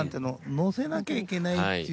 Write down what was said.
乗せなきゃいけないっていう